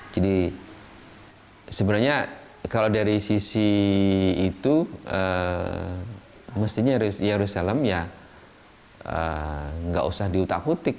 sebenarnya kalau dari sisi itu mestinya yerusalem ya nggak usah diutak utik